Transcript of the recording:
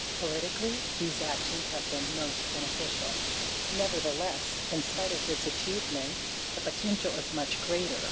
Politically these actions have been most beneficial. Nevertheless, in spite of this achievement, the potential is much greater.